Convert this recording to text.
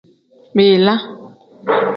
Bila.